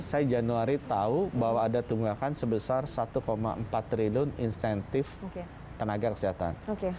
saya januari tahu bahwa ada tunggakan sebesar satu empat triliun insentif tenaga kesehatan